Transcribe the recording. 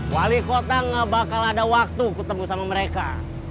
wali kota nggak bakal ada waktu ketemu sama mereka